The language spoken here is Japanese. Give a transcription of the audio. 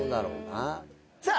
さあ